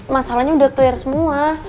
masalahnya udah clear semua